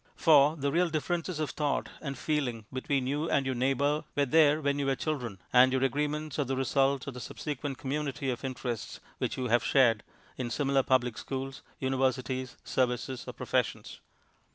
For the real differences of thought and feeling between you and your neighbour were there when you were children, and your agreements are the result of the subsequent community of interests which you have shared in similar public schools, universities, services, or professions.